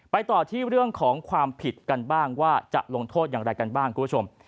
ต่อที่เรื่องของความผิดกันบ้างว่าจะลงโทษอย่างไรกันบ้างคุณผู้ชม